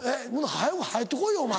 早う入って来いよお前。